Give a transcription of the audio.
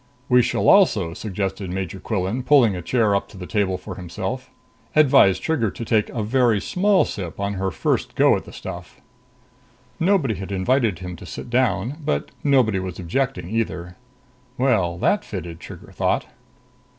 "We shall also," suggested Major Quillan, pulling a chair up to the table for himself, "Advise Trigger to take a very small sip on her first go at the stuff." Nobody had invited him to sit down. But nobody was objecting either. Well, that fitted, Trigger thought.